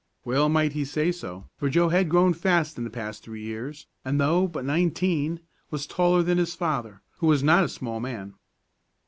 Well might he say so, for Joe had grown fast in the past three years, and, though but nineteen, was taller than his father, who was not a small man.